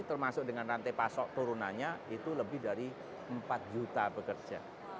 termasuk dengan rantai pasok turunannya itu lebih dari empat juta pekerja